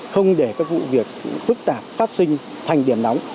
không để các vụ việc phức tạp phát sinh thành điểm nóng